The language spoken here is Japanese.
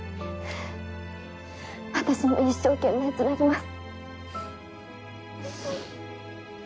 私も一生懸命つなぎます。